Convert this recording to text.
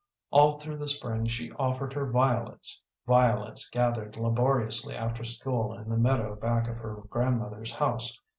All through the spring she offered her violets violets gathered laboriously after school in the meadow back of her grandmother's house.